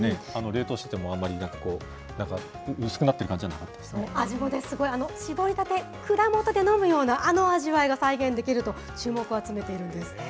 冷凍しててもあんまり、薄くなっ味も、すごい搾りたて、蔵元で飲むようなあの味わいが再現できると、チューモク！を集めているんです。